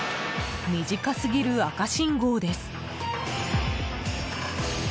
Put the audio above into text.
短すぎる赤信号です。